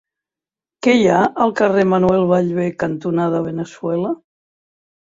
Què hi ha al carrer Manuel Ballbé cantonada Veneçuela?